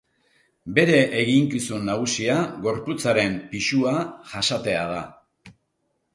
Bere eginkizun nagusia gorputzaren pisua jasatea da.